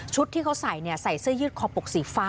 ชุดที่เขาใส่เนี่ยใส่เสื้อยึดครอบปลูกสีฟ้ารายจุด